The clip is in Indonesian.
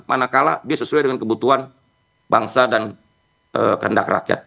manakala dia sesuai dengan kebutuhan bangsa dan kehendak rakyat